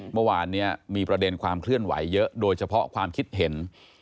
เมื่อวานนี้มีประเด็นความเคลื่อนไหวเยอะโดยเฉพาะความคิดเห็น